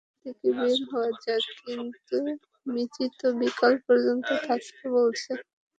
চলো এখান থেকে বের হওয়া যাক কিন্তু মিচি তো বিকাল পর্যন্ত থাকতে বলছে।